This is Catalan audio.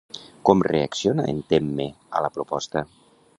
Com reacciona en Temme a la proposta?